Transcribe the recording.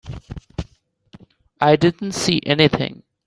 I didn't see anything.